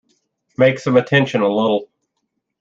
Make some attention a little.